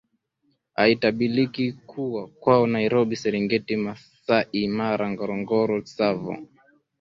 Aitabiliki kuwa kwao Nairobi Serengeti Masai Mara Ngorongoro Tsavo